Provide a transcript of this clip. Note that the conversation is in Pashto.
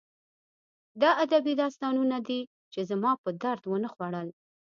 دا ادبي داستانونه دي چې زما په درد ونه خوړل